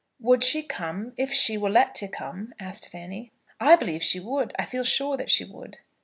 "Would she come if she were let to come?" asked Fanny. "I believe she would. I feel sure that she would."